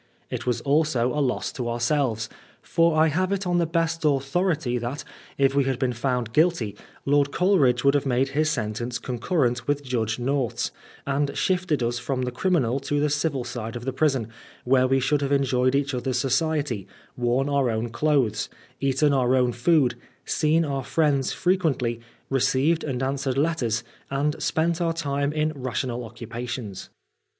It was also a loss to ourselves ; for I have it on the best authority that, if we had been found guilty, Lord Coleridge would have made his sentence con LOBS AND OAIX 163 current with Judge North's^ and shifted ns from the criminal to the civil side of the prison, where we should have enjoyed each other's society, worn our own clothes, eaten our own food, seen our friends frequently, received and answered letters, and spent our time in rational occupations.